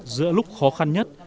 giữa lúc khó khăn nhất